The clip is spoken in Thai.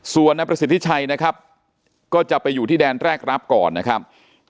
ส่วนนายประสิทธิชัยนะครับก็จะไปอยู่ที่แดนแรกรับก่อนนะครับ